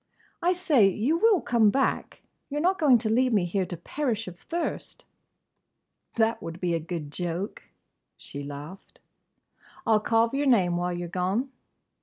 "I say! You will come back? You 're not going to leave me here to perish of thirst?" "That would be a good joke!" she laughed. "I 'll carve your name while you 're gone!"